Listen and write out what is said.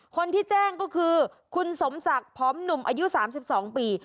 คนที่แจ้งก็คือคุณสมศักดิ์พร้อมหนุ่มอายุ๓๒ปี